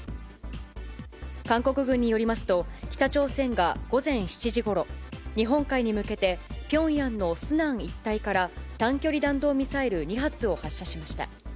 韓国軍によりますと、北朝鮮が午前７時ごろ、日本海に向けて、ピョンヤンのスナン一帯から、短距離弾道ミサイル２発を発射しました。